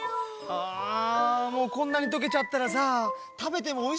あもうこんなにとけちゃったらさたべてもおいしくないよね。